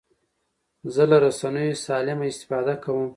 زه له رسنیو سالمه استفاده کوم.